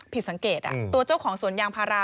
ผิดสังเกตตัวเจ้าของสวนยางพารา